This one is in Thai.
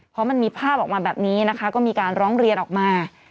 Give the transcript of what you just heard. เพราะมันมีภาพออกมาแบบนี้นะคะก็มีการร้องเรียนออกมา